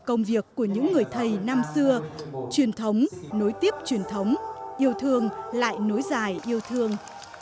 công việc của những người thầy năm xưa truyền thống nối tiếp truyền thống yêu thương lại nối dài yêu thương